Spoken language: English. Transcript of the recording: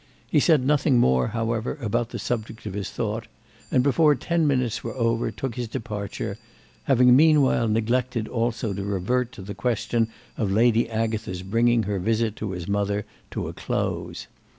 He said nothing more, however, about the subject of his thought, and before ten minutes were over took his departure, having meanwhile neglected also to revert to the question of Lady Agatha's bringing her visit to his mother to a close.